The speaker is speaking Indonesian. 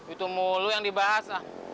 itu mulu yang dibahas